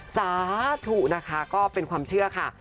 สาธุนะคะก็เป็นความเชื่อค่ะ